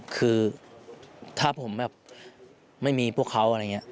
คือถ้าผมแบบไม่มีพวกเขาอะไรอย่างนี้